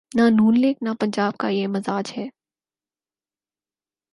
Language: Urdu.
نہ ن لیگ‘ نہ پنجاب کا یہ مزاج ہے۔